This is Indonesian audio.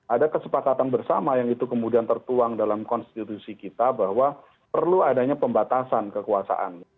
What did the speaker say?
ada kesepakatan bersama yang itu kemudian tertuang dalam konstitusi kita bahwa perlu adanya pembatasan kekuasaan